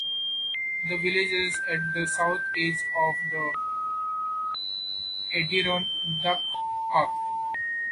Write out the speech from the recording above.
The village is at the south edge of the Adirondack Park.